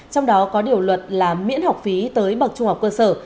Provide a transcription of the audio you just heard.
trong đó có điều luật là miễn học phí tới bậc trung học cơ sở